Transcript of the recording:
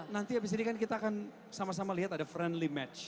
nanti abis ini kan kita akan sama sama lihat ada friendly match